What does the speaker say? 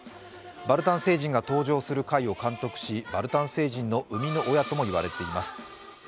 バルタン星人が登場する回を担当しバルタン星人の生みの親とも言われています。